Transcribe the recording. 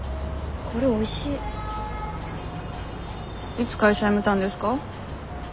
いつ会社辞めたんですか？